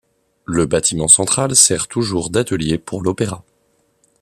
Le bâtiment central sert toujours d'atelier pour l'Opéra.